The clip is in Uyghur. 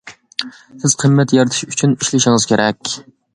سىز قىممەت يارىتىش ئۈچۈن ئىشلىشىڭىز كېرەك.